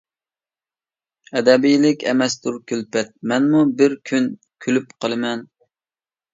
ئەبەدىيلىك ئەمەستۇر كۈلپەت، مەنمۇ بىر كۈن كۈلۈپ قالىمەن.